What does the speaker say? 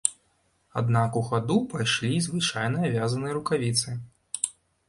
Аднак у хаду пайшлі і звычайныя вязаныя рукавіцы.